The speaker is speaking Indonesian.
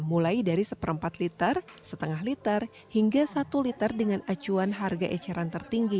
mulai dari seperempat liter setengah liter hingga satu liter dengan acuan harga eceran tertinggi